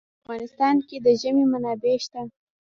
په افغانستان کې د ژمی منابع شته.